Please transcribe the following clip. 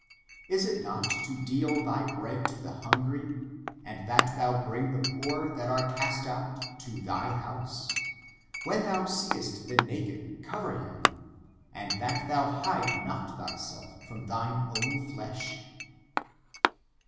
Is it not to deal thy bread to the hungry, and that thou bring the poor that are cast out, to thy house : when thou seest the naked, cover him : and that thou hide not thyself from thine own flesh?"